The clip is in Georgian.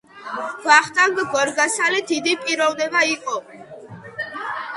ვახტანგ გორგასალი დიდი პიროვნება იყო